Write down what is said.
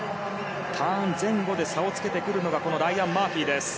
ターン前後で差をつけてくるのがライアン・マーフィーです。